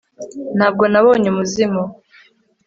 ntabwo nabonye umuzimu